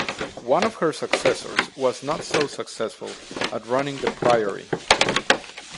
One of her successors was not so successful at running the priory.